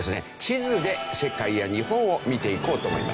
地図で世界や日本を見ていこうと思います。